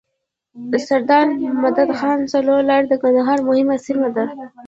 سردار مدد خان څلور لاری د کندهار مهمه سیمه ده.